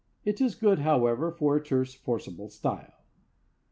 It is good, however, for a terse, forcible style.